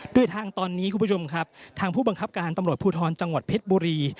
โดยทางตอนนี้คุณผู้ชมครับทางผู้บังคับการตำรวจภูทรจังหวัดเพชรบุรี